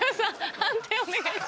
判定お願いします。